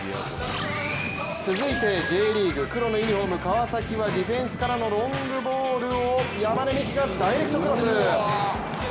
続いて、Ｊリーグ黒のユニフォーム、川崎はディフェンスからのロングボールを山根視来がダイレクトクロス。